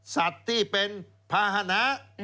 สัตว์ที่เป็นภาษณะ